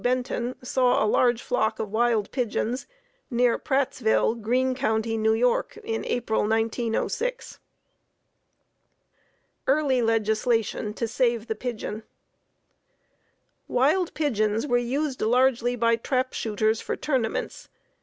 Benton, saw a large flock of wild pigeons near Prattsville, Greene County, N. Y., in April, 1906. EARLY LEGISLATION TO SAVE THE PIGEON Wild pigeons were used largely by trap shooters for tournaments.